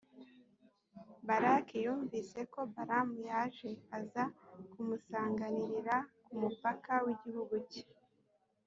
balaki yumvise ko balamu yaje, aza kumusanganirira ku mupaka w’igihugu cye.